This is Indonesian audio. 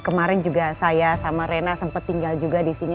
kemarin juga saya sama rena sempat tinggal juga disini